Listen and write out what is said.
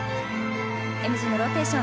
ＭＧのローテーション。